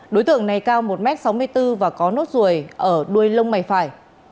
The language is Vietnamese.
đối tượng này cao một m sáu mươi bốn và có nốt ruồi ở đuôi lông mày phải